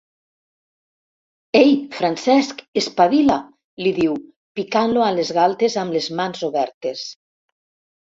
Ei, Francesc, espavila! —li diu, picant-lo a les galtes amb les mans obertes.